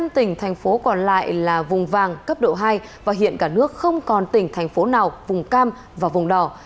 năm tỉnh thành phố còn lại là vùng vàng cấp độ hai và hiện cả nước không còn tỉnh thành phố nào vùng cam và vùng đỏ